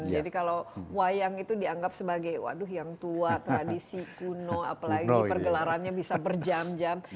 jadi kalau wayang itu dianggap sebagai waduh yang tua tradisi kuno apalagi pergelarannya bisa berjam jam